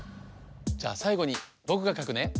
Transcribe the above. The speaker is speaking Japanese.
じゃあさいごにぼくがかくね。